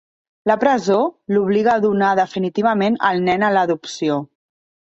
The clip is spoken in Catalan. La presó l'obliga a donar definitivament el nen a l'adopció.